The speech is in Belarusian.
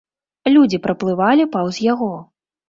Людзі праплывалі паўз яго.